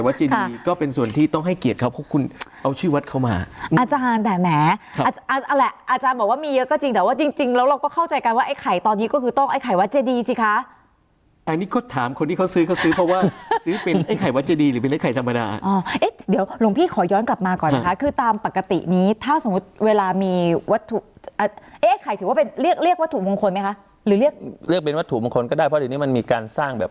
วัดเจดีสิคะอันนี้ก็ถามคนที่เขาซื้อเขาซื้อเพราะว่าซื้อเป็นไอ้ไข่วัดเจดีหรือเป็นไอ้ไข่ธรรมดาอ่าเอ๊ะเดี๋ยวหลวงพี่ขอย้อนกลับมาก่อนนะคะคือตามปกตินี้ถ้าสมมุติเวลามีวัตถุเอ๊ะไข่ถือว่าเป็นเรียกวัตถุมงคลไหมคะหรือเรียกเรียกเป็นวัตถุมงคลก็ได้เพราะอันนี้มันมีการสร้างแบ